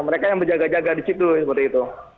mereka yang berjaga jaga di situ seperti itu